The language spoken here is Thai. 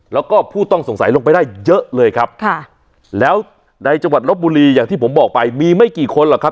แล้วก็ผู้ต้องสงสัยลงไปได้เยอะเลยครับค่ะแล้วในจังหวัดลบบุรีอย่างที่ผมบอกไปมีไม่กี่คนหรอกครับ